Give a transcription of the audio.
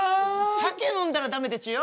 酒飲んだらダメでちゅよ。